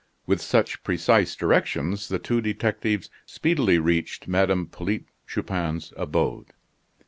With such precise directions the two detectives speedily reached Madame Polyte Chupin's abode.